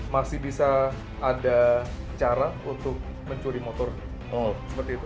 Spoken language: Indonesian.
masih bisa ada cara untuk mencuri motor seperti itu